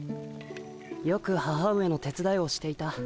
よく母上の手つだいをしていた。